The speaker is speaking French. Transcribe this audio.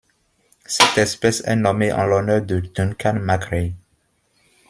Cette espèce est nommée en l'honneur de Duncan MacRae.